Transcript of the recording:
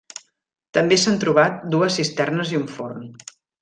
També s'han trobat dues cisternes i un forn.